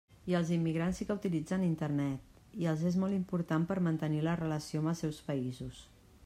I els immigrants sí que utilitzen Internet i els és molt important per mantenir la relació amb els seus països.